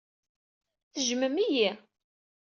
Tejjmem-iyi.